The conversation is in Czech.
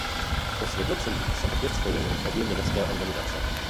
Po sjednocení se opět spojili obě německé organizace.